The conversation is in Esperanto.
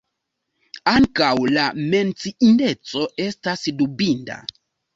Ankaŭ, la menciindeco estas dubinda.